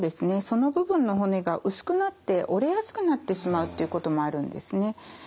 その部分の骨が薄くなって折れやすくなってしまうっていうこともあるんですね。